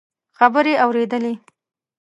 خبرې اورېدلې.